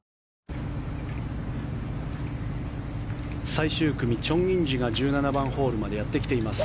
最終組、チョン・インジが１７番ホールまでやってきています。